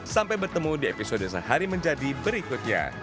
sampai bertemu di episode sehari menjadi berikutnya